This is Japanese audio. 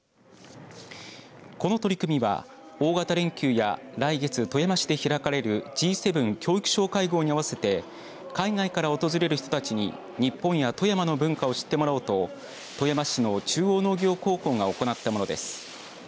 この取り組みは大型連休や来月、富山市で開かれるＧ７教育相会合に合わせて海外から訪れる人たちに日本や富山の文化を知ってもらおうと富山市の中央農業高校が行ったものです。